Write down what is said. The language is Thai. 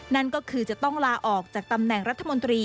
นั่นก็คือจะต้องลาออกจากตำแหน่งรัฐมนตรี